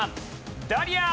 ダリア。